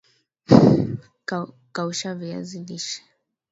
kausha viazi lishe